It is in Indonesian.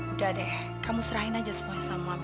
udah deh kamu serahin aja semuanya sama allah